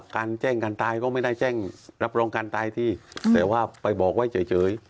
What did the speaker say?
แสวมาไปบอกไว้เจ๋ย